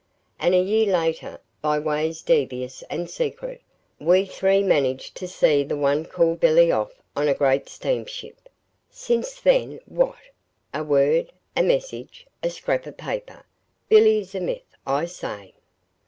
And a year later, by ways devious and secret, we three managed to see the one called 'Billy' off on a great steamship. Since then, what? A word a message a scrap of paper. Billy's a myth, I say!"